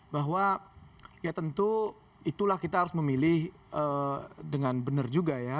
bahwa ya tentu itulah kita harus memilih dengan benar juga ya